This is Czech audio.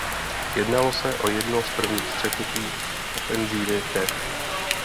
Jednalo se o jedno z prvních střetnutí ofenzívy Tet.